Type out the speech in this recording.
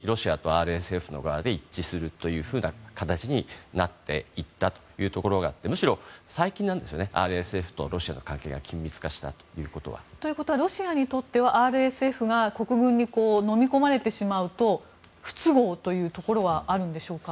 実際にスーダンにおける金の開発更に、その密輸ルートの開拓ということが完全にロシアとＲＳＦの側で一致するという形になっていったというところがあってむしろ、最近なんですよねＲＳＦとロシアの関係が緊密化したということは。ということはロシアにとってはＲＳＦが国軍にのみ込まれてしまうと不都合というところはあるんでしょうか？